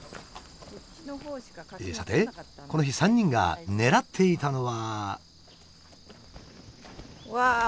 さてこの日３人が狙っていたのは。